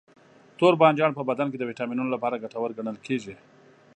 توربانجان په بدن کې د ویټامینونو لپاره ګټور ګڼل کېږي.